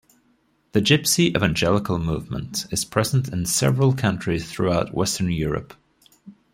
The Gypsy Evangelical Movement is present in several countries throughout Western Europe.